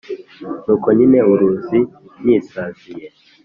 N’uko nyine uruzi nisaziye